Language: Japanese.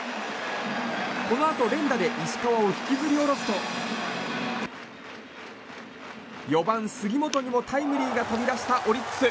このあと連打で石川を引きずり降ろすと４番、杉本にもタイムリーが飛び出したオリックス。